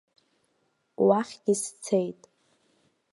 Уахьгьы сцеит.